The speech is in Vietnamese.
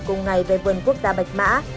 cùng ngày về vườn quốc gia bạch mã